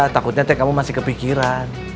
takutnya kamu masih kepikiran